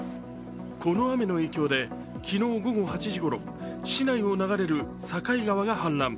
この雨の影響で昨日午後８時ごろ市内を流れる境川が氾濫。